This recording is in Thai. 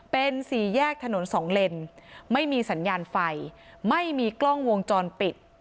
เป็นสี่แยกถนนสองเลนไม่มีสัญญาณไฟไม่มีกล้องวงจรปิด